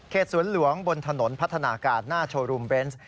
สวนหลวงบนถนนพัฒนาการหน้าโชว์รูมเบนส์